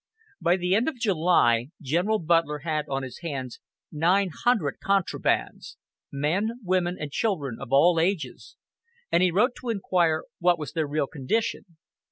By the end of July General Butler had on his hands 900 "contrabands," men, women and children of all ages, and he wrote to inquire what was their real condition.